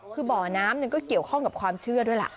คือบ่อน้ำก็เกี่ยวข้องกับความเชื่อด้วยล่ะ